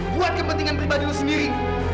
buat kepentingan pribadi itu sendiri